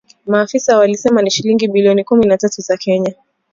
Maafisa walisema ni shilingi bilioni kumi na tatu za Kenya